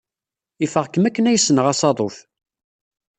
Ifeɣ-kem akken ay ssneɣ asaḍuf.